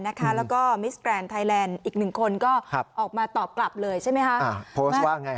แล้วก็มิสแกรนด์ไทยแลนด์อีกหนึ่งคนก็ออกมาตอบกลับเลยใช่ไหมคะ